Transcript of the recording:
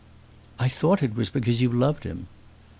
"I thought it was because you loved him."